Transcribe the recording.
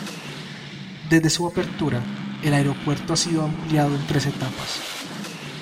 Desde su apertura, el aeropuerto ha sido ampliado en tres etapas.